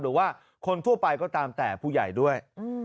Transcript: หรือว่าคนทั่วไปก็ตามแต่ผู้ใหญ่ด้วย